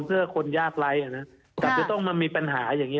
เพื่อคนยากไลก์